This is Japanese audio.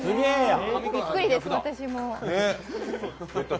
びっくりです、私も。